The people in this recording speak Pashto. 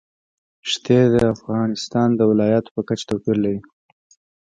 ښتې د افغانستان د ولایاتو په کچه توپیر لري.